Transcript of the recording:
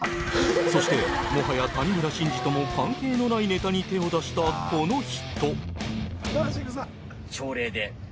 そしてもはや谷村新司とも関係のないネタに手を出したこの人。